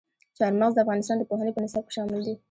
چار مغز د افغانستان د پوهنې په نصاب کې شامل دي.